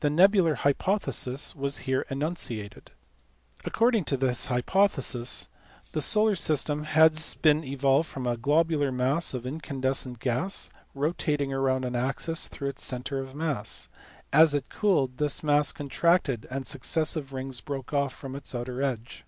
The nebular hypothesis was here enunciated*. According to this hypothesis the solar system has been evolved from a globular mass of incandescent gas rotating round an axis through its centre of mass. As it cooled, this mass contracted and successive rings broke off from its outer edge.